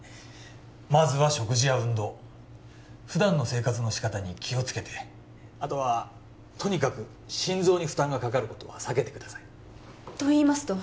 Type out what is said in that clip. まずは食事や運動普段の生活の仕方に気をつけてあとはとにかく心臓に負担がかかることは避けてくださいといいますと？